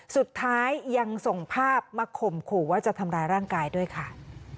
สุดท้ายยังส่งภาพมาข่มขู่ว่าจะทำร้ายร่างกายด้วยค่ะ